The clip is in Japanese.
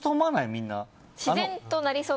みんな。